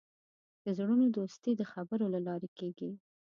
د زړونو دوستي د خبرو له لارې کېږي.